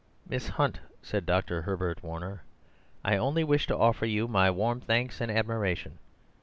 "Miss Hunt," said Dr. Herbert Warner, "I only wish to offer you my warm thanks and admiration.